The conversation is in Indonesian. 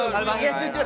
kalo mahalnya jujur